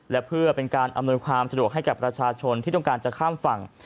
และเพื่อเป็นการอำนวยความสะดวกให้กับประชาชนที่ต้องการจะข้ามฝั่ง